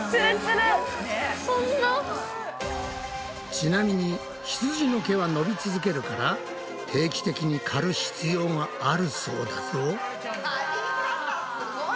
ちなみにひつじの毛は伸び続けるから定期的にかる必要があるそうだぞ。